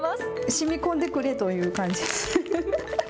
しみこんでくれという感じ。